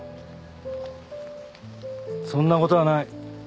そんなことはない。